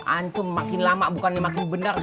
antum makin lama bukan ini makin bener